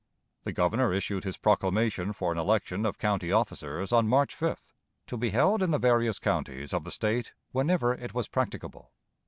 The Governor issued his proclamation for an election of county officers on March 5th, to be held in the various counties of the State whenever it was practicable.